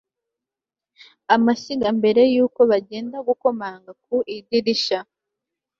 Amashyiga Mbere yuko bagenda Gukomanga ku idirishya